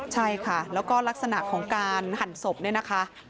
ใช่ค่ะแล้วก็ลักษณะของการหั่นศพเนี่ยนะคะ